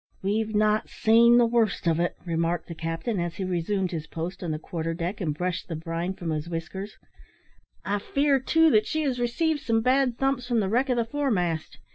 "We've not seen the worst of it," remarked the captain, as he resumed his post on the quarter deck, and brushed the brine from his whiskers; "I fear, too, that she has received some bad thumps from the wreck of the foremast.